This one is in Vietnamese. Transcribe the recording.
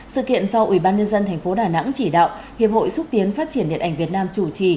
sự kiện do ủy ban nhân dân tp đà nẵng chỉ đạo hiệp hội xúc tiến phát triển điện ảnh việt nam chủ trì